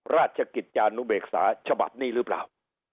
ราชกิจจานุเบกษาฉบับนี้หรือเปล่า